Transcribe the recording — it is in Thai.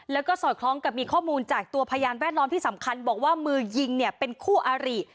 แล้วก็สอดคล้องกับมีข้อมูลจากตัวพยานแวดล้อมที่สำคัญบอกว่ามือยิงเนี่ยเป็นคู่อาริ